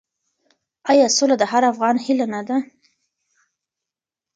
آیا سوله د هر افغان هیله نه ده؟